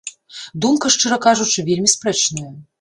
Думка, шчыра кажучы, вельмі спрэчная.